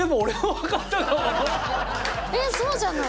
えっそうじゃない？